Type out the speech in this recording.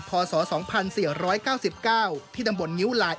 พศ๒๔๙๙ที่ตำบลงิ้วลาย